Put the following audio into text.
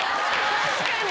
確かに！